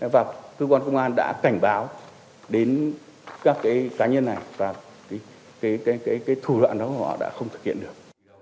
và cơ quan công an đã cảnh báo đến các cái cá nhân này và cái thủ đoạn đó của họ đã không thực hiện được